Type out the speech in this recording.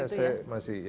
iya masih ya